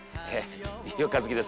飯尾和樹です。